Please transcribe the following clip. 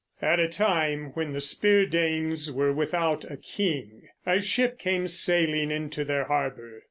At a time when the Spear Danes were without a king, a ship came sailing into their harbor.